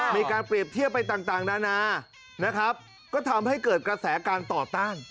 มีการเปรียบเทียบไปต่างนานานะครับก็ทำให้เกิดกระแสการต่อต้าน